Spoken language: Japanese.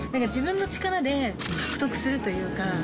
自分の力で獲得するというか。